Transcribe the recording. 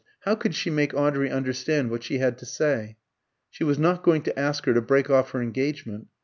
How could she make Audrey understand what she had to say? She was not going to ask her to break off her engagement.